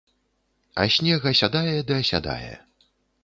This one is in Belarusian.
А снег асядае ды асядае.